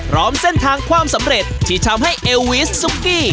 พร้อมเส้นทางความสำเร็จที่ทำให้เอลวิสซุกกี้